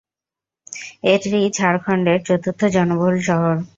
এটি ঝাড়খন্ডের চতুর্থ জনবহুল শহর।